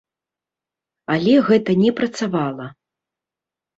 Але гэта не працавала.